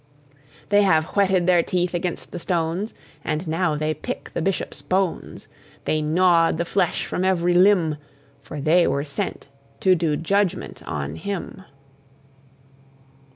They have whetted their teeth against the stones; And now they pick the Bishop's bones: They gnawed the flesh from every limb; For they were sent to do judgment on him!